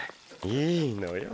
いいのよ